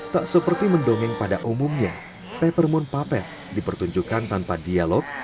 tak seperti mendongeng pada umumnya peppermint puppet dipertunjukkan tanpa dialog